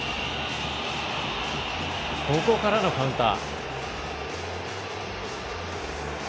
ここからのカウンター。